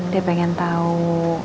dia pengen tau